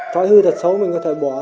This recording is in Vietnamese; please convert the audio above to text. trói hư thật xấu mình có thể bỏ ra